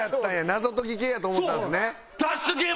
謎解き系やと思ったんですね。